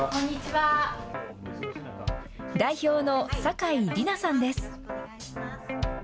代表の酒井里奈さんです。